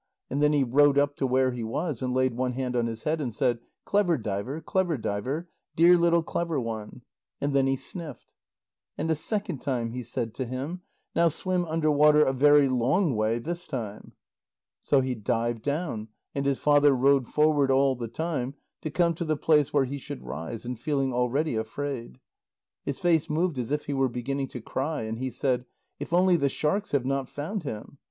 And then he rowed up to where he was, and laid one hand on his head, and said: "Clever diver, clever diver, dear little clever one." And then he sniffed. And a second time he said to him: "Now swim under water a very long way this time." So he dived down, and his father rowed forward all the time, to come to the place where he should rise, and feeling already afraid. His face moved as if he were beginning to cry, and he said: "If only the sharks have not found him!"